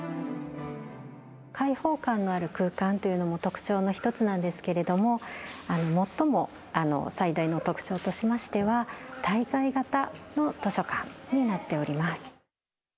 開放感のある空間というのも特徴の一つなんですけれども、最も最大の特徴としましては、滞在型の図書館になっております。